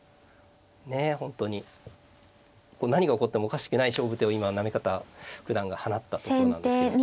本当に何が起こってもおかしくない勝負手を今行方九段が放ったとこなんですけど。